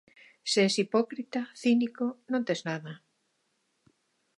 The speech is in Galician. Se es hipócrita, cínico... non tes nada.